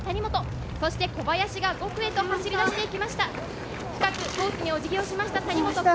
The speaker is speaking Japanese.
そして小林が５区へと走り出していきました。